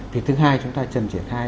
thứ hai chúng ta cần triển khai